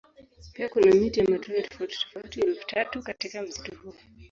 Pia kuna miti ya matunda tofauti tofauti elfu tatu katika msitu huo